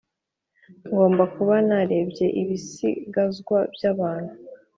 ngomba kuba narebye ibisigazwa byabantu,